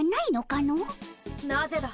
・なぜだ！